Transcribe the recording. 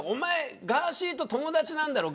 ガーシーと友達なんだろ。